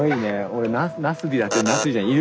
俺なすびだっけなすびじゃない。